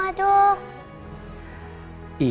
ayolah perima kasih